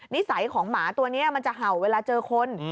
นิสัยของหมาตัวนี้มันจะเห่าเวลาเจอคน